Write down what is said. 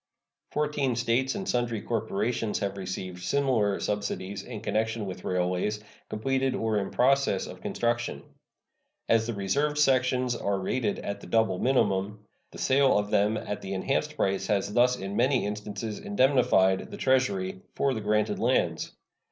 Fourteen States and sundry corporations have received similar subsidies in connection with railways completed or in process of construction. As the reserved sections are rated at the double minimum, the sale of them at the enhanced price has thus in many instances indemnified the Treasury for the granted lands.